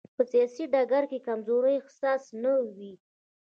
په سیاسي ډګر کې کمزورۍ احساس نه وي.